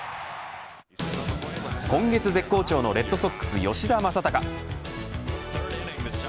今月絶好調のレッドソックス吉田正尚。